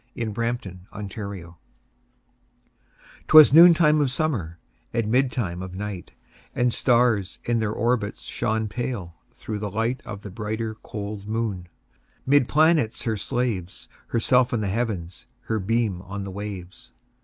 1827 Evening Star 'Twas noontide of summer, And midtime of night, And stars, in their orbits, Shone pale, through the light Of the brighter, cold moon. 'Mid planets her slaves, Herself in the Heavens, Her beam on the waves.